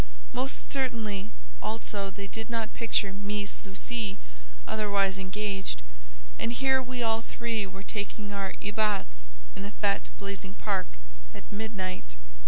Most certainly also they did not picture "Meess Lucie" otherwise engaged; and here we all three were taking our "ébats" in the fête blazing park at midnight!